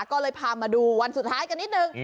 ก็เลยพามาดูวันสุดท้ายกันนิดนึง